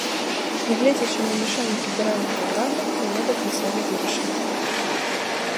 Нягледзячы на ўмяшанне федэральнага ўрада, яна да канца не вырашана.